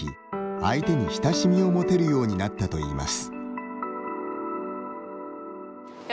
相手に親しみを持てるようになったといいます。